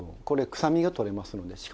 これ臭みが取れますので。